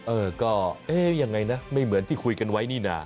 เออก็เอ๊ะยังไงนะไม่เหมือนที่คุยกันไว้นี่นะ